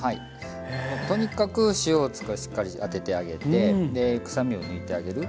とにかく塩をしっかりあててあげてくさみを抜いてあげる。